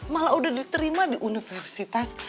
malah udah diterima di universitas